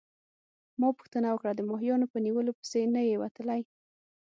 ما پوښتنه وکړه: د ماهیانو په نیولو پسي نه يې وتلی؟